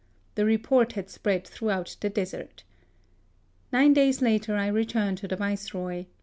The report had spread through out the desert. Nine days later I return to the Viceroy.